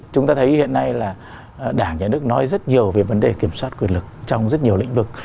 chúng ta thấy hiện nay là đảng nhà nước nói rất nhiều về vấn đề kiểm soát quyền lực trong rất nhiều lĩnh vực